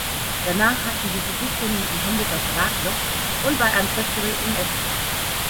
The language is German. Danach hatten sie Verpflichtungen im Hamburger Star Club und bei einem Festival in Essen.